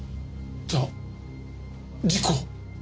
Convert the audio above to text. じゃあ事故？